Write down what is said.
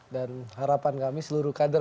dan harapan kami seluruh kader